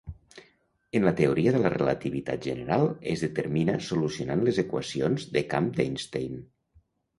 En la teoria de la relativitat general, es determina solucionant les equacions de camp d'Einstein.